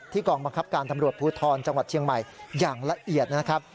กองบังคับการตำรวจภูทรจังหวัดเชียงใหม่อย่างละเอียดนะครับ